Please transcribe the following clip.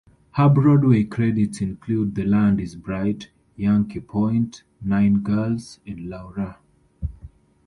Her Broadway credits include "The Land Is Bright", "Yankee Point", "Nine Girls" and "Laura".